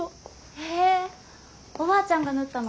へえーおばあちゃんが縫ったの？